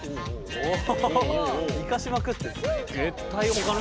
おお！